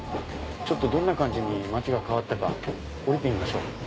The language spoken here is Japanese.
どんな感じに街が変わったか降りてみましょう。